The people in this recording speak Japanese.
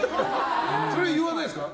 それ、言わないんですか？